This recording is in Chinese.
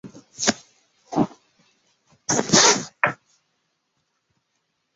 同年十月派在大门当差。